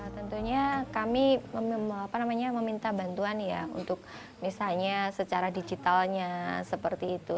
tentunya kami meminta bantuan ya untuk misalnya secara digitalnya seperti itu